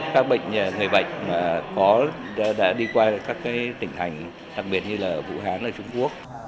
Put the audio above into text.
các bệnh người bệnh đã đi qua các tỉnh thành đặc biệt như là vũ hán ở trung quốc